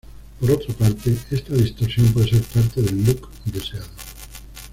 Por otra parte, esta distorsión puede ser parte del "look" deseado.